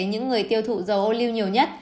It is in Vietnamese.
những người tiêu thụ dầu ô lưu nhiều nhất